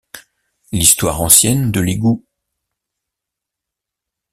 L’histoire ancienne de l’égout